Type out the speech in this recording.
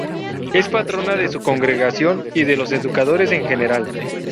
Es patrona de su congregación y de los educadores en general.